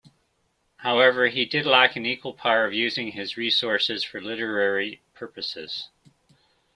However, he did lack an equal power of using his resources for literary purposes.